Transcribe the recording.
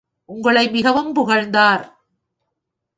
உங்களை மிகவும் புகழ்ந்தார்.